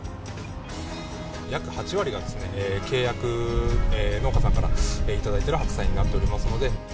約８割が契約農家さんからいただいている白菜になっておりますので。